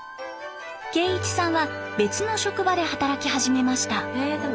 圭一さんは別の職場で働き始めました。